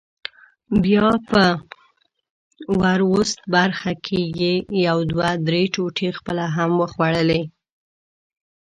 بیا په وروست برخه کې یې یو دوه درې ټوټې خپله هم وخوړلې.